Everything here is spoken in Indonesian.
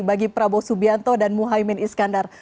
bagi prabowo subianto dan muhaymin iskandar